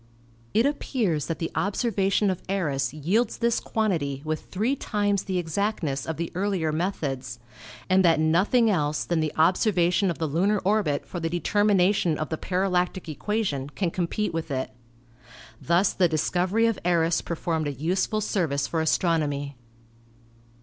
It appears that the observation of Eros yields this quantity with three times the exactness of the earlier methods, and that nothing else than the ob servation of the lunar orbit for the determination of the parallactic equation can compete with it. Thus the dis covery of Eros performed a useful service for astronomy.